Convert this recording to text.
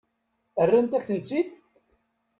Rrant-akent-tt-id.